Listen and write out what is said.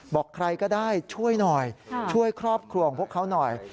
บอกใครก็ได้ช่วยหน่อยช่วยครอบครัวของพวกเขาหน่อย